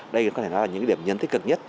đây có thể nói là những điểm nhấn tích cực nhất